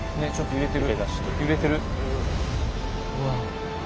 揺れてる。